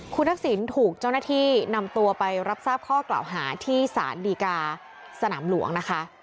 คุณทักษิณถูกเจ้าหน้าที่นำตัวไปรับทราบข้อกล่าวหาที่สารดีกาสนามหลวงนะคะ